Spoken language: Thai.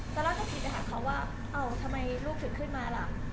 ตอนแรกก็ผิดไปหาเขาว่าเอ้าทำไมลูกถึงขึ้นมาล่ะ